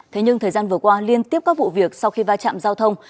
thế nhưng thời gian vừa qua liên tiếp các vụ việc sau khi va chạm giao thông